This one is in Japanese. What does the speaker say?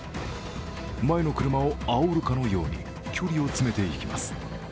前の車をあおるかのように距離を詰めていきます。